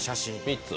３つ。